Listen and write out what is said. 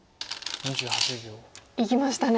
いきましたね。